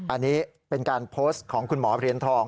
อันนี้เป็นการโพสต์ของคุณหมอเหรียญทอง